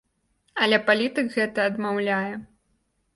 Але палітык гэта адмаўляе.